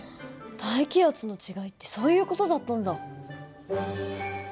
大気圧の違いってそういう事だったんだ。